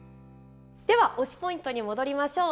では推しポイントに戻りましょう。